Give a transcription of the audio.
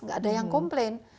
gak ada yang komplain